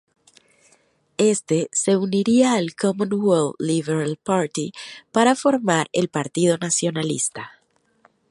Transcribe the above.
Éste se uniría al Commonwealth Liberal Party para formar el Partido Nacionalista.